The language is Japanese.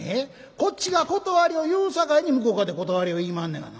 こっちが断りを言うさかいに向こうかて断りを言いまんねやがな。